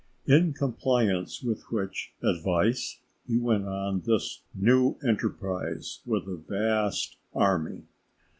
In compliance with which advice he went on this new enterprise with a vast army.